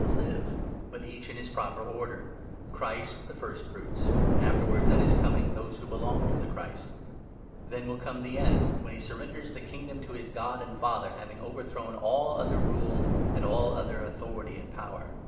6. a. 328 I. CORINTHIANS, 15. to live. But each in his proper order— Christ the first fruits ; afterwards, at his Coming, those who belong to the Christ. Then will come the end — when he surrenders the Kingdom to his God and Father, having overthrown all other rule and all other authority and power.